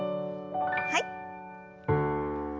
はい。